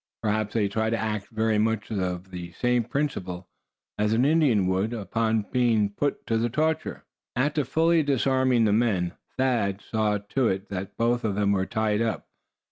Perhaps they try to act very much on the same principle as an Indian would, upon being put to the torture. After fully disarming the men Thad saw to it that both of them were tied up.